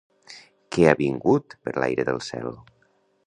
Que ha vingut per l'aire del cel?